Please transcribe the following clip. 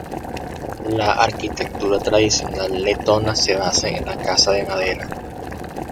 La arquitectura tradicional letona se basa en la casa de madera.